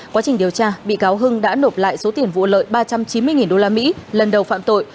quá trình điều tra bị cáo hưng đã nộp lại số tiền vụ lợi ba trăm chín mươi usd lần đầu phạm tội